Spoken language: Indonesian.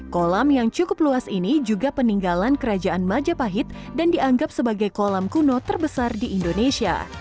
kolam yang cukup luas ini juga peninggalan kerajaan majapahit dan dianggap sebagai kolam kuno terbesar di indonesia